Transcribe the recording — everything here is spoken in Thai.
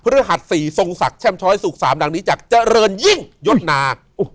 ฤหัส๔ทรงศักดิ์แช่มช้อยสุข๓ดังนี้จากเจริญยิ่งยศนา